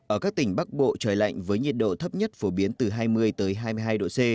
ở các tỉnh bắc bộ trời lạnh với nhiệt độ thấp nhất phổ biến từ hai mươi hai mươi hai độ c